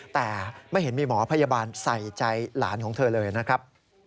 แต่ไม่เห็นมีหมอพยาบาลใส่ใจหลานของเธอเลยนะครับ